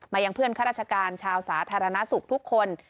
ยังเพื่อนข้าราชการชาวสาธารณสุขทุกคน